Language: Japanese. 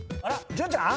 潤ちゃん？